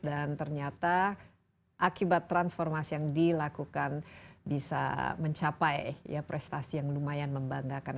dan ternyata akibat transformasi yang dilakukan bisa mencapai prestasi yang lumayan membanggakan